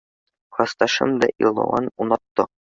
Класташым да илауын онотто.